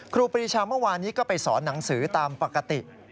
ครูปรีชาเมื่อวานนี้ก็ไปสอนหนังสือตามปกติ